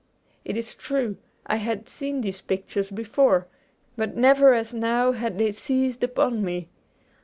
It is true, I had seen these pictures before, but never as now had they seized upon me.